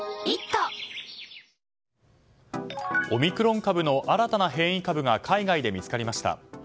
オミクロン株の新たな変異株が海外で見つかりました。